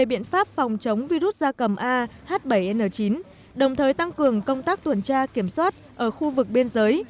biện pháp phòng chống virus gia cầm ah bảy n chín đồng thời tăng cường công tác tuần tra kiểm soát ở khu vực biên giới